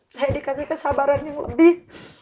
saya dikasih kesabaran yang lebih